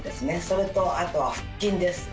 それとあとは腹筋です。